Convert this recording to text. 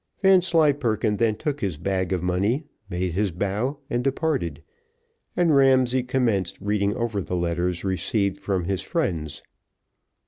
Vanslyperken then took his bag of money, made his bow, and departed, and Ramsay commenced reading over the letters received from his friends.